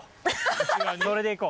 それでいこう。